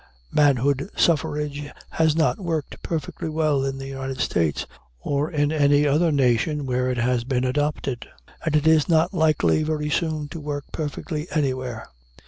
Manhood suffrage has not worked perfectly well in the United States, or in any other nation where it has been adopted, and it is not likely very soon to work perfectly anywhere.